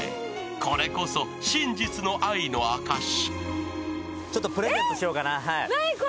これこそ真実の愛の証し。